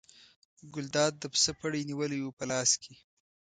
ګلداد د پسه پړی نیولی و په لاس کې.